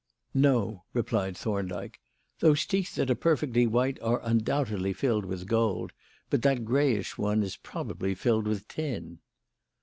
"No," replied Thorndyke. "Those teeth that are perfectly white are undoubtedly filled with gold, but that greyish one is probably filled with tin."